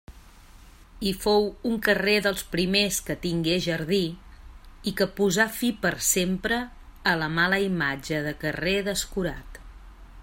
I fou un carrer dels primers que tingué jardí i que posà fi per sempre a la mala imatge de carrer descurat.